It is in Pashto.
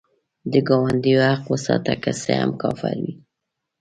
د ګاونډي حق وساته، که څه هم کافر وي